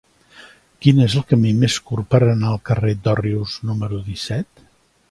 Quin és el camí més curt per anar al carrer d'Òrrius número disset?